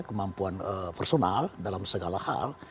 kemampuan personal dalam segala hal